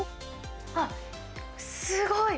あっ、すごい。